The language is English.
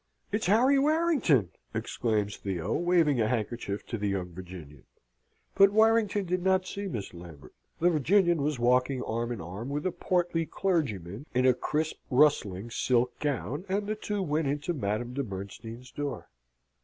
"It's Harry Warrington!" exclaims Theo, waving a handkerchief to the young Virginian: but Warrington did not see Miss Lambert. The Virginian was walking arm in arm with a portly clergyman in a crisp rustling silk gown, and the two went into Madame de Bernstein's door.